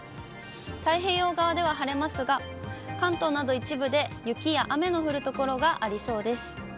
太平洋側では晴れますが、関東など一部で雪や雨の降る所がありそうです。